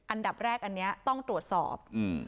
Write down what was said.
อันดับแรกอันนี้ต้องตรวจสอบ